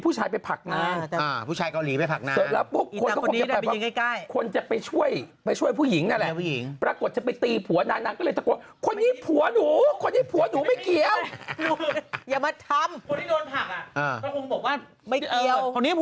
เป็นเกมพี่ม้าพี่อยู่แถวนั้นหรอกเพราะว่าเท่านี้ที่เสียงบุ๊บ